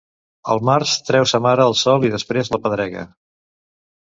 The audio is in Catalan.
El març treu sa mare al sol i després l'apedrega.